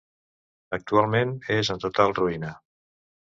Actualment és en total ruïna.